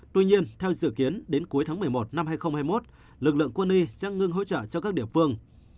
tuy nhiên theo dự kiến đến cuối tháng một mươi một năm hai nghìn hai mươi một lực lượng quân y sẽ ngưng hỗ trợ cho các địa phương